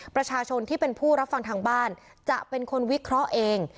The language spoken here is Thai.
ประชาชนที่เป็นผู้รับฟังทางบ้านจะเป็นคนวิเคราะห์เอง